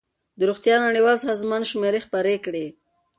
د روغتیا نړیوال سازمان شمېرې خپرې کړې.